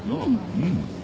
うん。